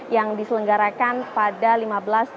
yang diselenggarakan pada lima belas maret